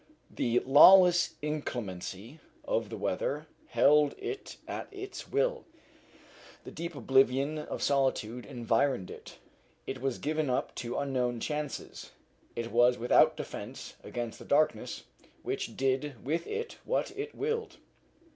The lawless inclemency of the weather held it at its will; the deep oblivion of solitude environed it; it was given up to unknown chances; it was without defence against the darkness, which did with it what it willed.